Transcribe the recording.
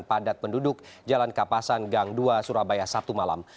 dan padat penduduk jalan kapasan gang dua surabaya satu malam